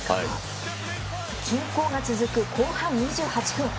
均衡が続く後半２８分。